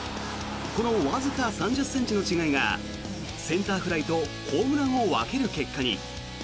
このわずか３０ｃｍの違いがセンターフライとホームランを分ける結果に。